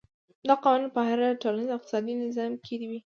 دا قوانین په هر ټولنیز او اقتصادي نظام کې وي.